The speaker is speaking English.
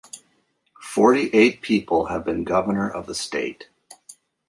Forty-eight people have been governor of the state.